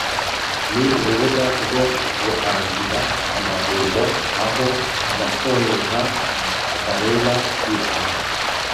ni urubuga rwo guangira amahuho aho abakoreha bareba iaha